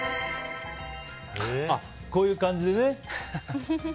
こういう感じでね。